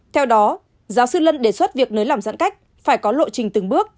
theo đó giáo sư lân đề xuất việc nới lỏng giãn cách phải có lộ trình từng bước